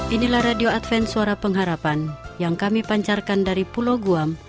inilah radio advent suara pengharapan yang kami pancarkan dari pulau guam